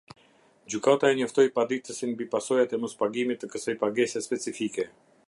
Gjykata e njoftoi paditësin mbi pasojat e mospagimit të kësaj pagese specifike.